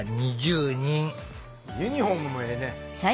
ユニホームもええね。